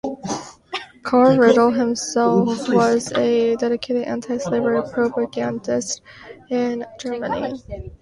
Carl Ritter himself was a dedicated anti-slavery propagandist in Germany.